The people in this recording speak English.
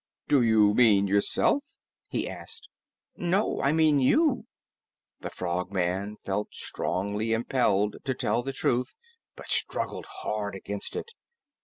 "Do you mean yourself?" he asked. "No, I mean you." The Frogman felt strongly impelled to tell the truth, but struggled hard against it.